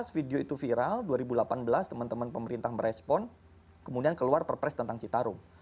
video itu viral dua ribu delapan belas teman teman pemerintah merespon kemudian keluar perpres tentang citarum